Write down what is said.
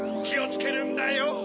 きをつけるんだよ！